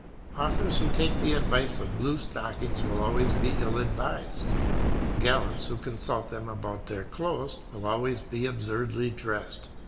Authors who take the advice of blue stockings will always be ill advised; gallants who consult them about their clothes will always be absurdly dressed.